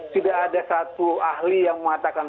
tidak ada satu ahli yang mengatakan